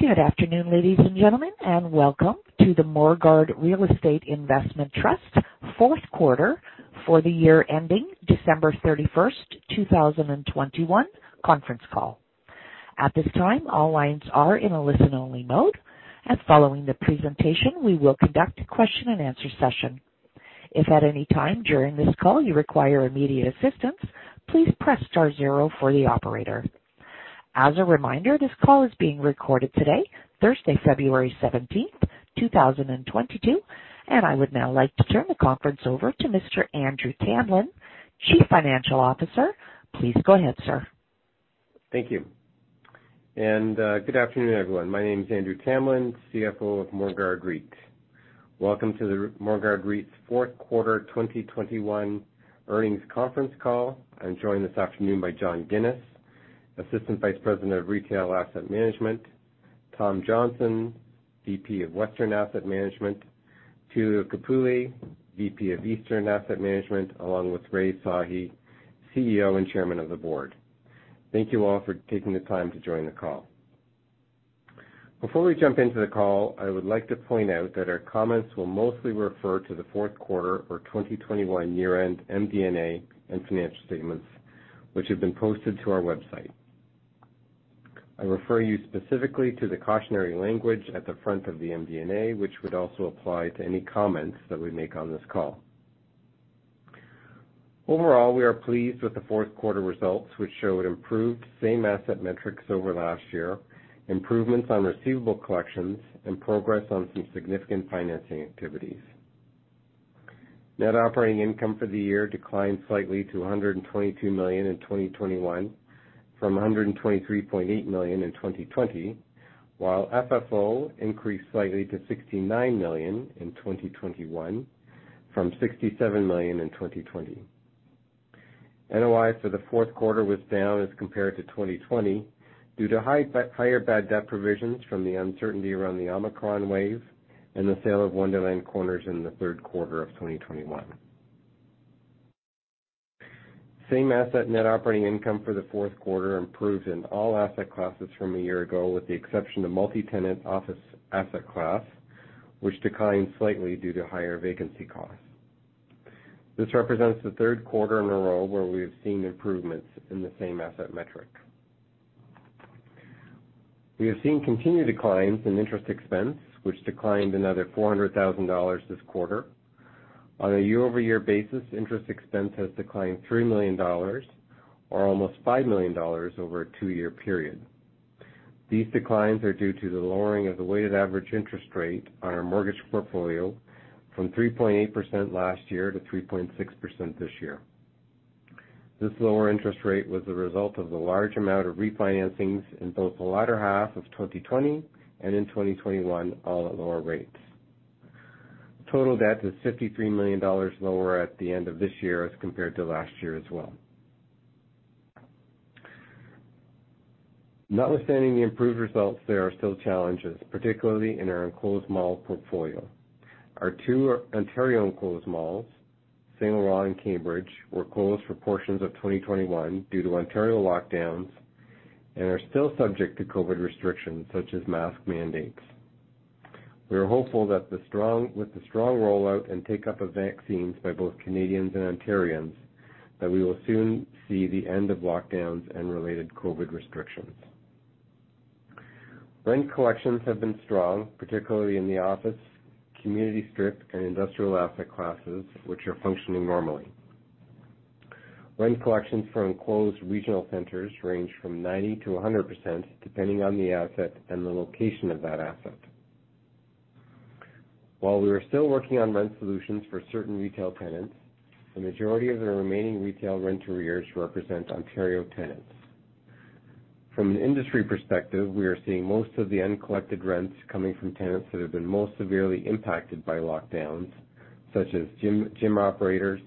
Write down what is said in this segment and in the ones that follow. Good afternoon, ladies and gentlemen, and welcome to the Morguard Real Estate Investment Trust fourth quarter for the year ending December 31st, 2021 conference call. At this time, all lines are in a listen-only mode, and following the presentation, we will conduct a question-and-answer session. If at any time during this call you require immediate assistance, please press star zero for the operator. As a reminder, this call is being recorded today, Thursday, February 17th, 2022. I would now like to turn the conference over to Mr. Andrew Tamlin, Chief Financial Officer. Please go ahead, sir. Thank you. Good afternoon, everyone. My name is Andrew Tamlin, CFO of Morguard REIT. Welcome to Morguard REIT's fourth quarter 2021 earnings conference call. I'm joined this afternoon by John Ginis, Assistant Vice President of Retail Asset Management, Tom Johnston, VP of Western Asset Management, Tullio Capulli, VP of Eastern Asset Management, along with Rai Sahi, CEO and Chairman of the Board. Thank you all for taking the time to join the call. Before we jump into the call, I would like to point out that our comments will mostly refer to the fourth quarter for 2021 year-end MD&A and financial statements, which have been posted to our website. I refer you specifically to the cautionary language at the front of the MD&A, which would also apply to any comments that we make on this call. Overall, we are pleased with the fourth quarter results, which showed improved same asset metrics over last year, improvements on receivable collections, and progress on some significant financing activities. Net operating income for the year declined slightly to 122 million in 2021 from 123.8 million in 2020, while FFO increased slightly to 69 million in 2021 from 67 million in 2020. NOI for the fourth quarter was down as compared to 2020 due to higher bad debt provisions from the uncertainty around the Omicron wave and the sale of Wonderland Corners in the third quarter of 2021. Same asset net operating income for the fourth quarter improved in all asset classes from a year ago, with the exception of multi-tenant Office asset class, which declined slightly due to higher vacancy costs. This represents the third quarter in a row where we have seen improvements in the same asset metric. We have seen continued declines in interest expense, which declined another 400,000 dollars this quarter. On a year-over-year basis, interest expense has declined 3 million dollars, or almost 5 million dollars over a two-year period. These declines are due to the lowering of the weighted average interest rate on our mortgage portfolio from 3.8% last year to 3.6% this year. This lower interest rate was the result of the large amount of refinancings in both the latter half of 2020 and in 2021, all at lower rates. Total debt is 53 million dollars lower at the end of this year as compared to last year as well. Notwithstanding the improved results, there are still challenges, particularly in our enclosed mall portfolio. Our two Ontario enclosed malls, St. Laurent and Cambridge, were closed for portions of 2021 due to Ontario lockdowns and are still subject to COVID restrictions, such as mask mandates. We are hopeful that the strong rollout and take-up of vaccines by both Canadians and Ontarians, that we will soon see the end of lockdowns and related COVID restrictions. Rent collections have been strong, particularly in the Office, community strip, and Industrial asset classes, which are functioning normally. Rent collections from enclosed regional centers range from 90%-100%, depending on the asset and the location of that asset. While we are still working on rent solutions for certain Retail tenants, the majority of the remaining Retail rent arrears represent Ontario tenants. From an industry perspective, we are seeing most of the uncollected rents coming from tenants that have been most severely impacted by lockdowns, such as gym operators,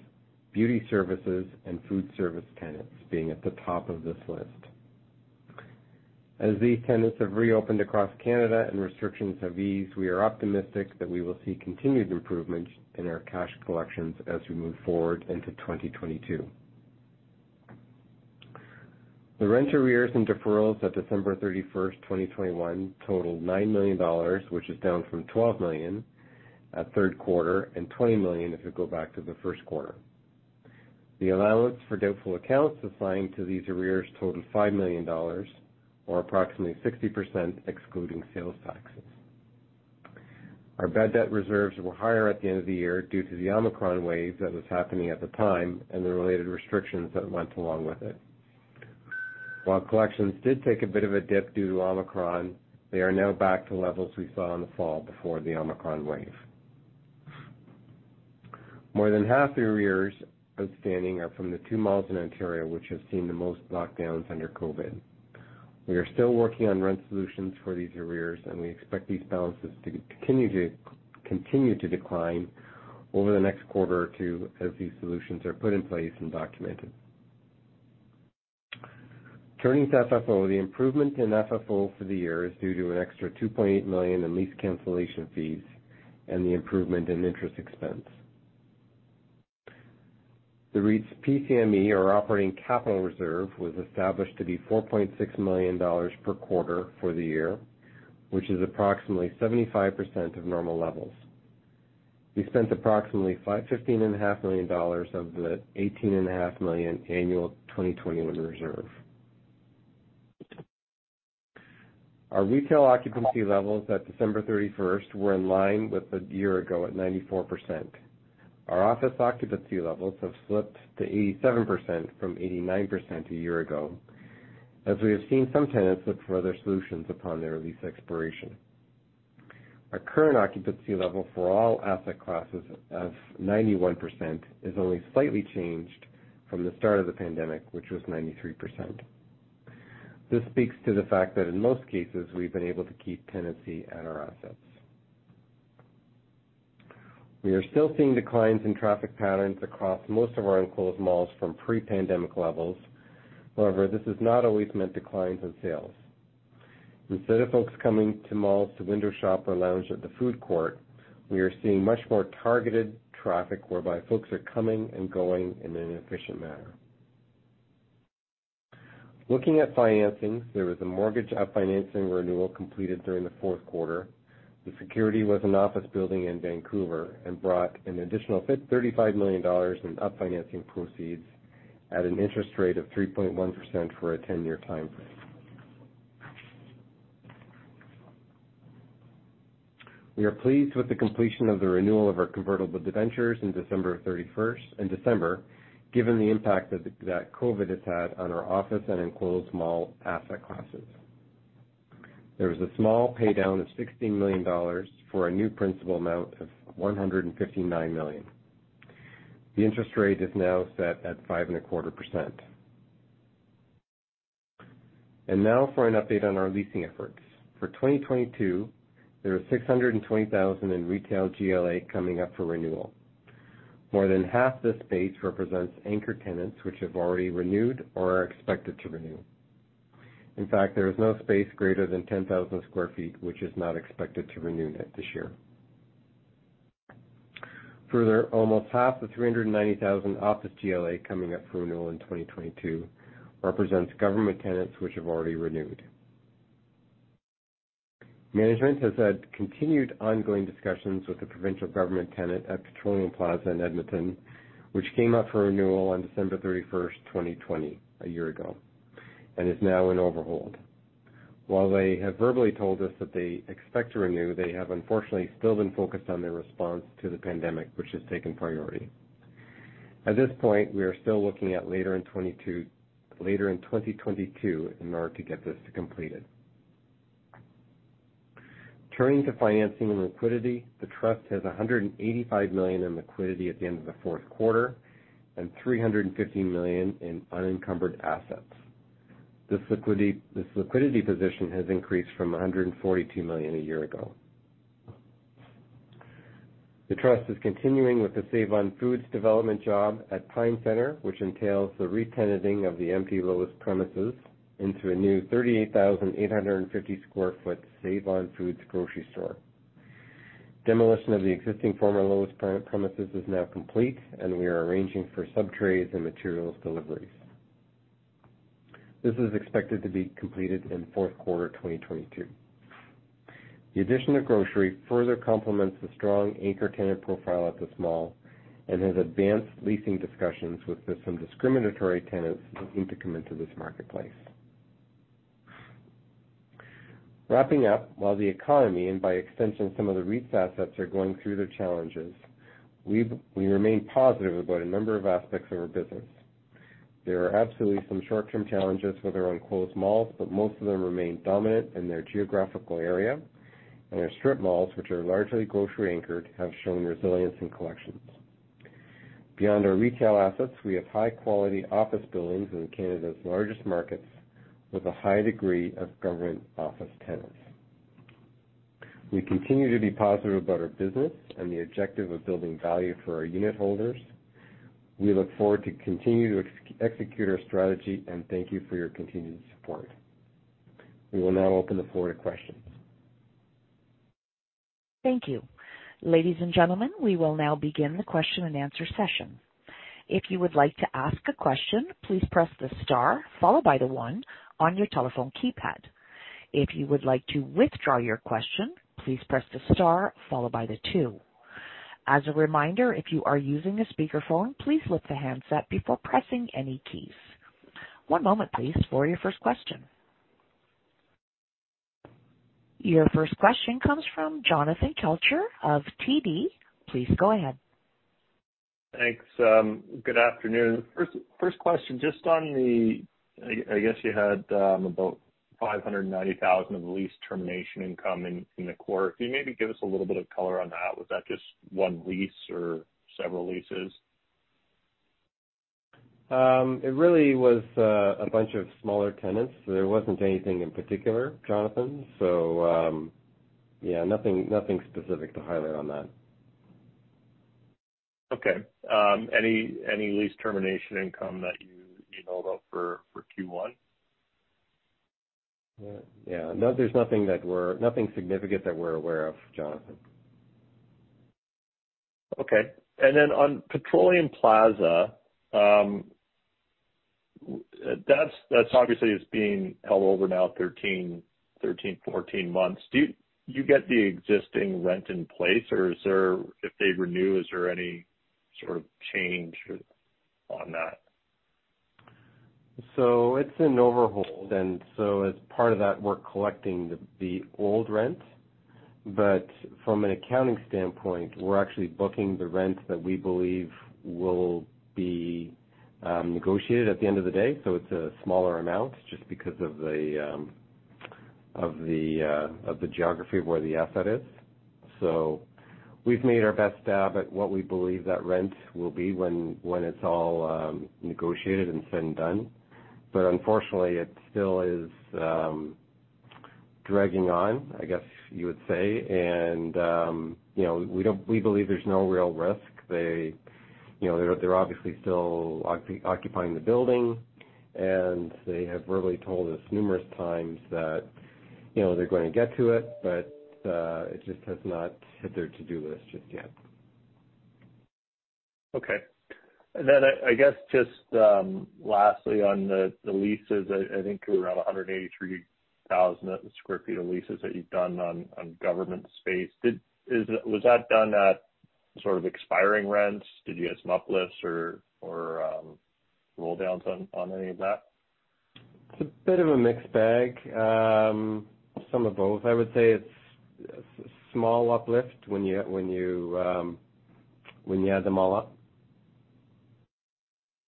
beauty services, and food service tenants being at the top of this list. As these tenants have reopened across Canada and restrictions have eased, we are optimistic that we will see continued improvements in our cash collections as we move forward into 2022. The rent arrears and deferrals at December 31st, 2021 totaled 9 million dollars, which is down from 12 million at third quarter and 20 million if you go back to the first quarter. The allowance for doubtful accounts assigned to these arrears totaled 5 million dollars, or approximately 60% excluding sales taxes. Our bad debt reserves were higher at the end of the year due to the Omicron wave that was happening at the time and the related restrictions that went along with it. While collections did take a bit of a dip due to Omicron, they are now back to levels we saw in the fall before the Omicron wave. More than half the arrears outstanding are from the two malls in Ontario which have seen the most lockdowns under COVID. We are still working on rent solutions for these arrears, and we expect these balances to continue to decline over the next quarter or two as these solutions are put in place and documented. Turning to FFO. The improvement in FFO for the year is due to an extra 2.8 million in lease cancellation fees and the improvement in interest expense. The REIT's PCME or operating capital reserve was established to be 4.6 million dollars per quarter for the year, which is approximately 75% of normal levels. We spent approximately 15.5 million dollars of the 18.5 million annual 2021 reserve. Our Retail occupancy levels at December 31st were in line with a year ago at 94%. Our Office occupancy levels have slipped to 87% from 89% a year ago, as we have seen some tenants look for other solutions upon their lease expiration. Our current occupancy level for all asset classes of 91% is only slightly changed from the start of the pandemic, which was 93%. This speaks to the fact that in most cases, we've been able to keep tenancy at our assets. We are still seeing declines in traffic patterns across most of our enclosed malls from pre-pandemic levels. However, this has not always meant declines in sales. Instead of folks coming to malls to window shop or lounge at the food court, we are seeing much more targeted traffic whereby folks are coming and going in an efficient manner. Looking at financing, there was a mortgage up-financing renewal completed during the fourth quarter. The security was an Office building in Vancouver and brought an additional 35 million dollars in up-financing proceeds at an interest rate of 3.1% for a 10-year timeframe. We are pleased with the completion of the renewal of our convertible debentures in December 31st, December, given the impact that COVID has had on our Office and enclosed mall asset classes. There was a small pay down of 16 million dollars for a new principal amount of 159 million. The interest rate is now set at 5.25%. Now for an update on our leasing efforts. For 2022, there are 620,000 sq ft in Retail GLA coming up for renewal. More than half this space represents anchor tenants which have already renewed or are expected to renew. In fact, there is no space greater than 10,000 sq ft, which is not expected to renew in this year. Further, almost half the 390,000 Office GLA coming up for renewal in 2022 represents government tenants which have already renewed. Management has had continued ongoing discussions with the provincial government tenant at Petroleum Plaza in Edmonton, which came up for renewal on December 31st, 2020, a year ago, and is now in overhold. While they have verbally told us that they expect to renew, they have unfortunately still been focused on their response to the pandemic, which has taken priority. At this point, we are still looking at later in 2022 in order to get this completed. Turning to financing and liquidity, the trust has 185 million in liquidity at the end of the fourth quarter and 350 million in unencumbered assets. This liquidity position has increased from 142 million a year ago. The trust is continuing with the Save-On-Foods development job at Pine Centre, which entails the re-tenanting of the old Lowe's premises into a new 38,850 sq ft Save-On-Foods grocery store. Demolition of the existing former Lowe's premises is now complete, and we are arranging for sub-trades and materials deliveries. This is expected to be completed in fourth quarter 2022. The addition of grocery further complements the strong anchor tenant profile at this mall and has advanced leasing discussions with some discriminatory tenants looking to come into this marketplace. Wrapping up, while the economy and by extension some of the REIT's assets are going through their challenges, we remain positive about a number of aspects of our business. There are absolutely some short-term challenges with our enclosed malls, but most of them remain dominant in their geographical area. Our strip malls, which are largely grocery anchored, have shown resilience in collections. Beyond our Retail assets, we have high quality Office buildings in Canada's largest markets with a high degree of government Office tenants. We continue to be positive about our business and the objective of building value for our unitholders. We look forward to continuing to execute our strategy and thank you for your continued support. We will now open the floor to questions. Thank you. Ladies and gentlemen, we will now begin the question and answer session. If you would like to ask a question, please press the star followed by the one on your telephone keypad. If you would like to withdraw your question, please press the star followed by the two. As a reminder, if you are using a speakerphone, please lift the handset before pressing any keys. One moment please for your first question. Your first question comes from Jonathan Kelcher of TD. Please go ahead. Thanks. Good afternoon. First question, just on the, I guess you had about 590,000 of lease termination income in the quarter. Can you maybe give us a little bit of color on that? Was that just one lease or several leases? It really was a bunch of smaller tenants. There wasn't anything in particular, Jonathan. Yeah, nothing specific to highlight on that. Okay. Any lease termination income that you emailed out for Q1? Yeah, yeah. No, there's nothing significant that we're aware of, Jonathan. Okay. On Petroleum Plaza, that's obviously being held over now 13, 14 months. Do you get the existing rent in place or is there? If they renew, is there any sort of change on that? It's in overhold. As part of that, we're collecting the old rent. But from an accounting standpoint, we're actually booking the rent that we believe will be negotiated at the end of the day. It's a smaller amount just because of the geography of where the asset is. We've made our best stab at what we believe that rent will be when it's all negotiated and said and done. But unfortunately, it still is dragging on, I guess you would say. You know, we believe there's no real risk. They, you know, they're obviously still occupying the building, and they have verbally told us numerous times that, you know, they're going to get to it, but it just has not hit their to-do list just yet. Okay. I guess just lastly on the leases, I think you were at 183,000 sq ft of leases that you've done on government space. Was that done at sort of expiring rents? Did you get some uplifts or roll downs on any of that? It's a bit of a mixed bag. Some of both. I would say it's small uplift when you add them all up.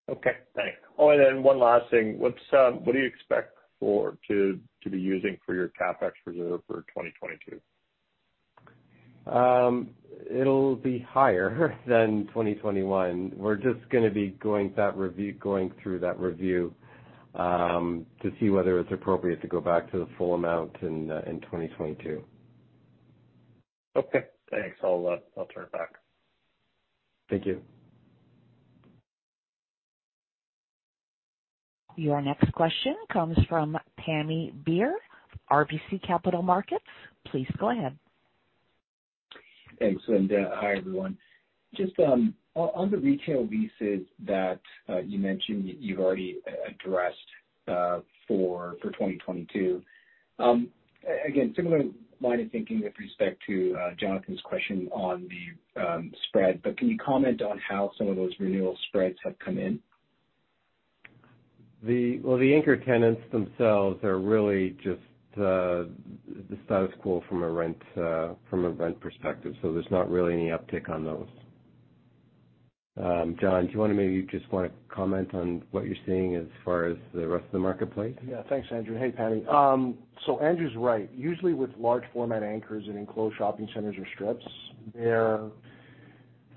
Okay, thanks. Oh, one last thing. What do you expect to be using for your CapEx reserve for 2022? It'll be higher than 2021. We're just gonna be going through that review to see whether it's appropriate to go back to the full amount in 2022. Okay, thanks. I'll turn it back. Thank you. Your next question comes from Pammi Bir, RBC Capital Markets. Please go ahead. Thanks, Linda. Hi, everyone. Just on the Retail leases that you mentioned you've already addressed for 2022. Again, similar line of thinking with respect to Jonathan's question on the spread, but can you comment on how some of those renewal spreads have come in? Well, the anchor tenants themselves are really just the status quo from a rent perspective, so there's not really any uptick on those. John, do you wanna maybe just comment on what you're seeing as far as the rest of the marketplace? Yeah. Thanks, Andrew. Hey, Pammi. Andrew's right. Usually with large format anchors and enclosed shopping centers or strips,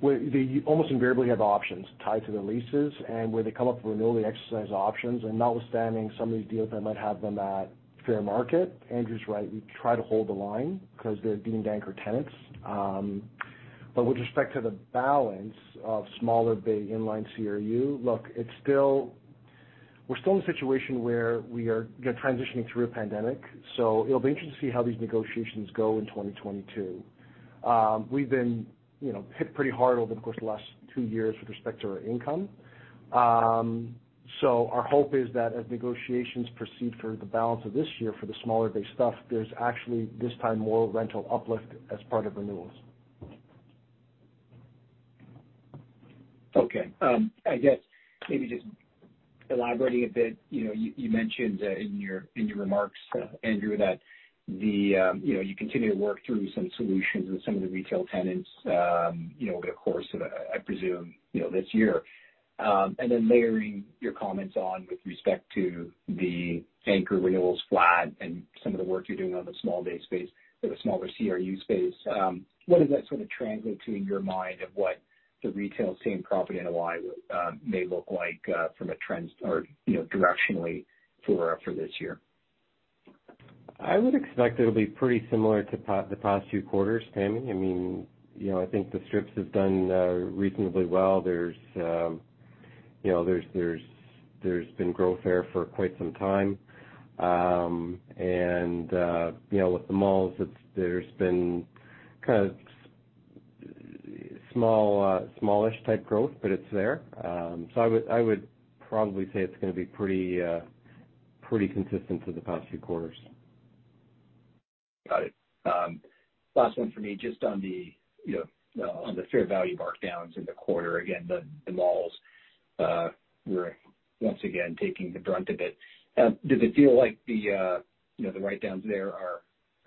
they almost invariably have options tied to the leases. Where they come up for renewal, they exercise options. Notwithstanding some of these deals that might have them at fair market, Andrew's right, we try to hold the line because they're deemed anchor tenants. With respect to the balance of smaller bay inline CRU, we're still in a situation where we are, you know, transitioning through a pandemic, so it'll be interesting to see how these negotiations go in 2022. We've been, you know, hit pretty hard over the course of the last two years with respect to our income. Our hope is that as negotiations proceed for the balance of this year for the smaller bay stuff, there's actually this time more rental uplift as part of renewals. Okay. I guess maybe just elaborating a bit, you know, you mentioned in your remarks, Andrew, that you know you continue to work through some solutions with some of the Retail tenants, you know, over the course of, I presume, you know, this year. Then layering your comments on with respect to the anchor renewals flat and some of the work you're doing on the small bay space or the smaller CRU space, what does that sort of translate to in your mind of what the Retail same property NOI may look like from a trends or, you know, directionally for this year? I would expect it'll be pretty similar to the past few quarters, Pammi. I mean, you know, I think the strips have done reasonably well. There's, you know, been growth there for quite some time. You know, with the malls, there's been kind of smallish type growth, but it's there. I would probably say it's gonna be pretty consistent for the past few quarters. Got it. Last one for me, just on the, you know, on the fair value markdowns in the quarter. Again, the malls were once again taking the brunt of it. Does it feel like the, you know, the write-downs there are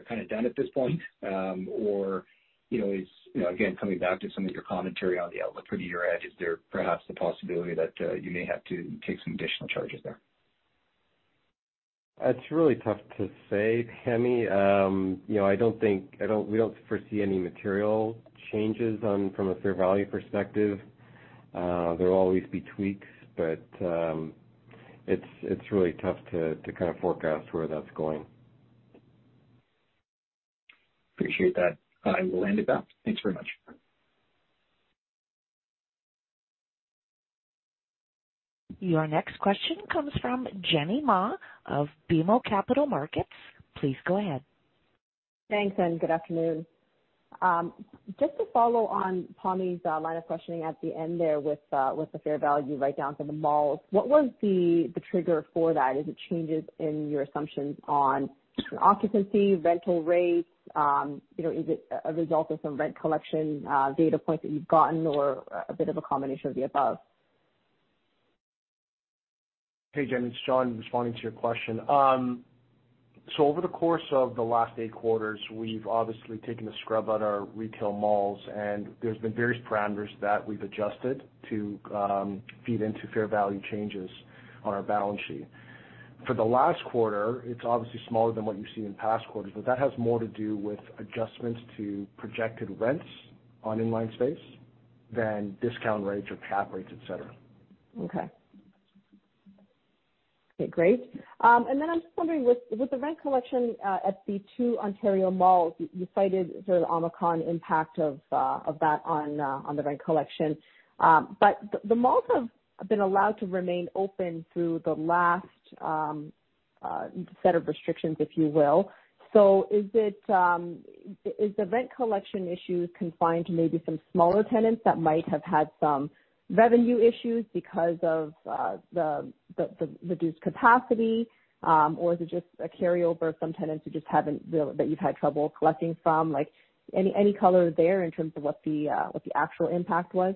kind of done at this point? Or, you know, is, you know, again, coming back to some of your commentary on the outlook for the year ahead, is there perhaps the possibility that you may have to take some additional charges there? It's really tough to say, Pammi. You know, I don't think we don't foresee any material changes from a fair value perspective. There will always be tweaks, but it's really tough to kind of forecast where that's going. Appreciate that. I will hand it back. Thanks very much. Your next question comes from Jenny Ma of BMO Capital Markets. Please go ahead. Thanks, and good afternoon. Just to follow on Pammi's line of questioning at the end there with the fair value write down for the malls. What was the trigger for that? Is it changes in your assumptions on occupancy, rental rates? You know, is it a result of some rent collection data points that you've gotten or a bit of a combination of the above? Hey, Jenny, it's John responding to your question. Over the course of the last eight quarters, we've obviously taken a scrub on our Retail malls, and there's been various parameters that we've adjusted to feed into fair value changes on our balance sheet. For the last quarter, it's obviously smaller than what you see in past quarters, but that has more to do with adjustments to projected rents on inline space than discount rates or cap rates, et cetera. Okay, great. I'm just wondering with the rent collection at the two Ontario malls. You cited the Omicron impact of that on the rent collection. The malls have been allowed to remain open through the last set of restrictions, if you will. Is it, is the rent collection issue confined to maybe some smaller tenants that might have had some revenue issues because of the reduced capacity? Is it just a carryover of some tenants that you've had trouble collecting from? Like, any color there in terms of what the actual impact was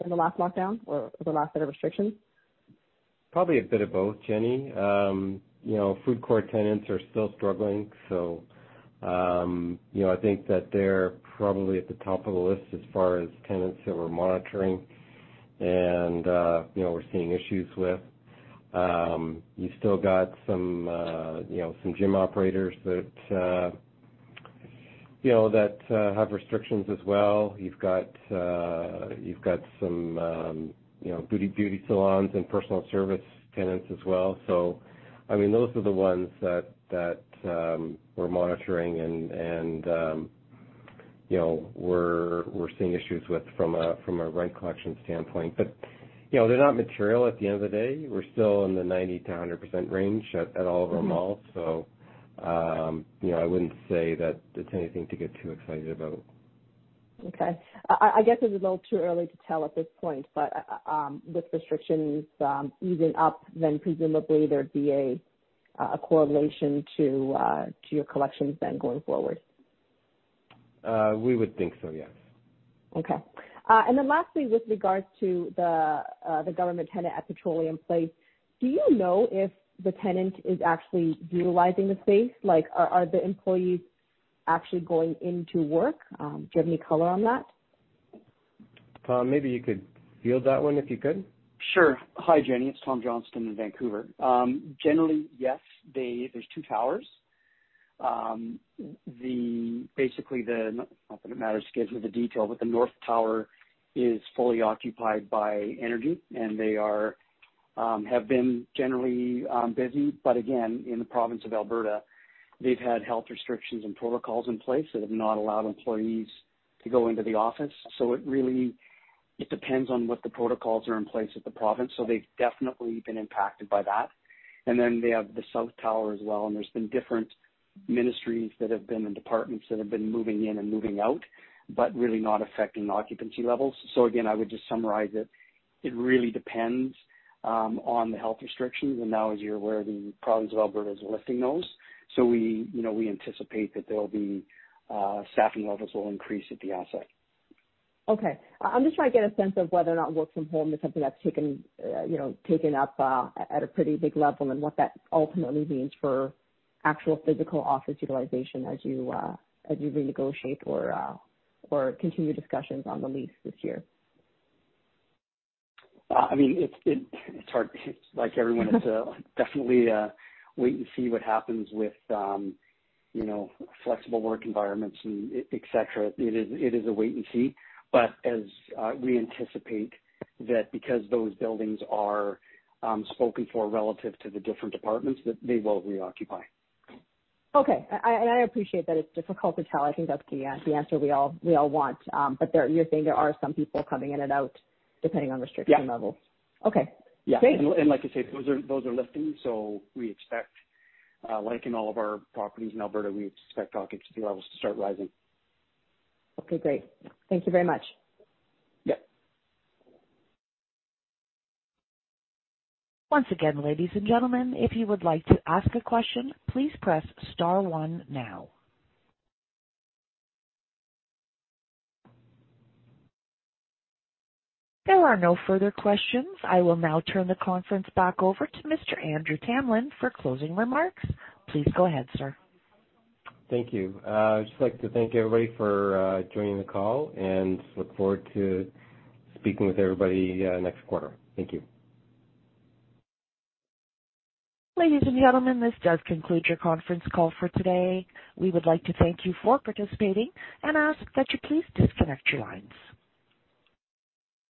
from the last lockdown or the last set of restrictions? Probably a bit of both, Jenny. You know, food court tenants are still struggling, so, you know, I think that they're probably at the top of the list as far as tenants that we're monitoring and, you know, we're seeing issues with. You still got some, you know, some gym operators that, you know, that have restrictions as well. You've got some, you know, beauty salons and personal service tenants as well. So, I mean, those are the ones that we're monitoring and, you know, we're seeing issues with from a rent collection standpoint. But, you know, they're not material at the end of the day. We're still in the 90%-100% range at all of our malls. You know, I wouldn't say that it's anything to get too excited about. Okay. I guess it's a little too early to tell at this point, but with restrictions easing up then presumably there'd be a correlation to your collections then going forward. We would think so, yes. Okay. Lastly, with regards to the government tenant at Petroleum Plaza, do you know if the tenant is actually utilizing the space? Like, are the employees actually going into work? Do you have any color on that? Tom, maybe you could field that one if you could. Sure. Hi, Jenny. It's Tom Johnston in Vancouver. Generally, yes, there's two towers. Basically the, not that it matters to get into the detail, but the north tower is fully occupied by energy, and they have been generally busy. Again, in the province of Alberta, they've had health restrictions and protocols in place that have not allowed employees to go into the Office. It really depends on what the protocols are in place at the province. They've definitely been impacted by that. Then they have the south tower as well, and there's been different ministries that have been, and departments that have been moving in and moving out, but really not affecting occupancy levels. Again, I would just summarize it. It really depends on the health restrictions. Now, as you're aware, the province of Alberta is lifting those. We, you know, we anticipate that there will be staffing levels will increase at the asset. Okay. I'm just trying to get a sense of whether or not work from home is something that's taken up, you know, at a pretty big level and what that ultimately means for actual physical Office utilization as you renegotiate or continue discussions on the lease this year? I mean, it's hard. Like everyone, it's definitely a wait and see what happens with, you know, flexible work environments and et cetera. It is a wait and see. As we anticipate that because those buildings are spoken for relative to the different departments that they will reoccupy. Okay. I appreciate that it's difficult to tell. I think that's the answer we all want. You're saying there are some people coming in and out depending on restriction levels. Yeah. Okay. Great. Yeah. Like I say, those are lifting, so we expect like in all of our properties in Alberta, we expect occupancy levels to start rising. Okay, great. Thank you very much. Yeah. Once again, ladies and gentlemen, if you would like to ask a question, please press star one now. There are no further questions. I will now turn the conference back over to Mr. Andrew Tamlin for closing remarks. Please go ahead, sir. Thank you. I'd just like to thank everybody for joining the call and look forward to speaking with everybody next quarter. Thank you. Ladies and gentlemen, this does conclude your conference call for today. We would like to thank you for participating and ask that you please disconnect your lines.